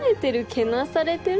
けなされてる？